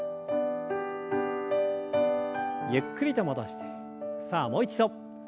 ゆっくりと戻してさあもう一度。